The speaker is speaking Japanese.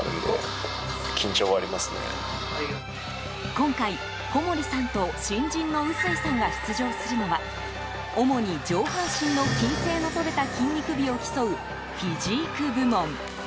今回、小森さんと新人の薄井さんが出場するのは主に、上半身の均整の取れた筋肉美を競うフィジーク部門。